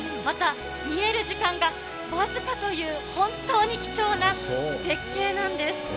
また、見える時間が僅かという、本当に貴重な絶景なんです。